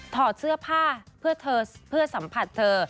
ถอดเสื้อผ้าเพื่อสัมผัสเธอ